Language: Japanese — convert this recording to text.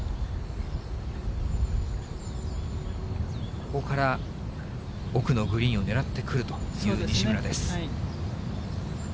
ここから奥のグリーンを狙ってくるという西村です。